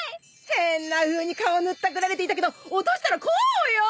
変なふうに顔を塗ったくられていたけど落としたらこうよ！